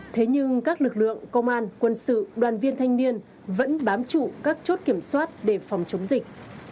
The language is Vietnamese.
thế nhưng các lực lượng công an quân sự đoàn viên thanh niên vẫn bám trụ các chốt kiểm soát để phòng chống dịch